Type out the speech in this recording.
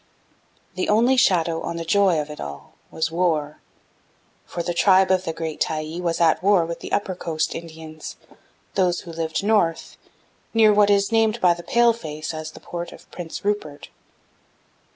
"The only shadow on the joy of it all was war, for the tribe of the great Tyee was at war with the Upper Coast Indians, those who lived north, near what is named by the Paleface as the port of Prince Rupert.